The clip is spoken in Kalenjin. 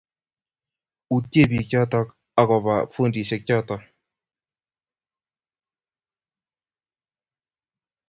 utyee biik choto agoba fundishek choto